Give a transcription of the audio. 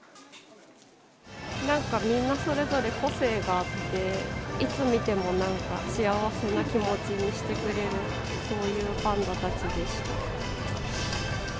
なんかみんなそれぞれ個性があって、いつ見てもなんか、幸せな気持ちにしてくれる、そういうパンダたちでした。